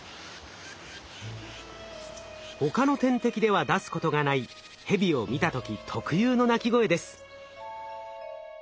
他の天敵では出すことがないヘビを見た時特有の鳴き声です。